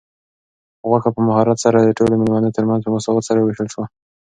غوښه په مهارت سره د ټولو مېلمنو تر منځ په مساوات سره وویشل شوه.